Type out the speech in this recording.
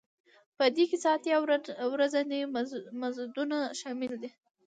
په دې کې ساعتي او ورځني مزدونه شامل دي